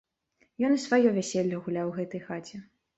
Ён і сваё вяселле гуляў у гэтай хаце.